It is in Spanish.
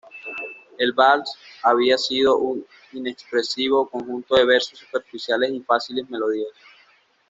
El vals había sido, un inexpresivo conjunto de versos superficiales y fáciles melodías.